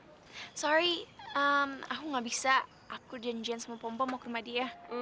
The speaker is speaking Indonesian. maaf aku nggak bisa aku dan jens mau pom pom mau ke rumah dia